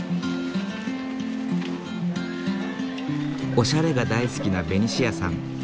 おしゃれが大好きなベニシアさん。